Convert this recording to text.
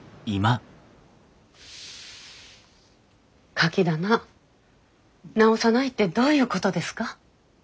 カキ棚直さないってどういうことですか？